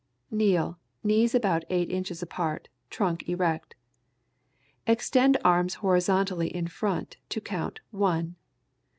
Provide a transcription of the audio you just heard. _] Kneel, knees about eight inches apart, trunk erect. Extend arms horizontally in front to count "one."